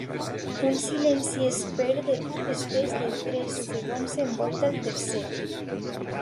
Un silenci espès de tres segons envolta el tercet.